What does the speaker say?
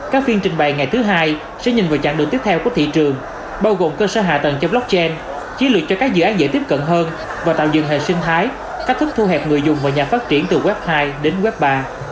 các phiên trình bày ngày thứ hai sẽ nhìn vào chặng đường tiếp theo của thị trường bao gồm cơ sở hạ tầng cho blockchain chiến lược cho các dự án dễ tiếp cận hơn và tạo dựng hệ sinh thái cách thức thu hẹp người dùng và nhà phát triển từ website đến web ba